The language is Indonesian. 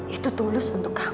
itu tulus untuk kamu